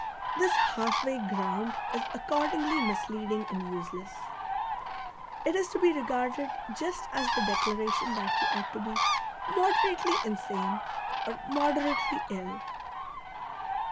This half way ground is accordingly misleading and useless ; it is to be regarded just as the declaration that we ought to be "moderately" insane, or "moderately" ill.